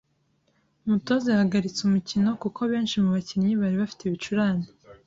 Umutoza yahagaritse umukino kuko benshi mu bakinnyi bari bafite ibicurane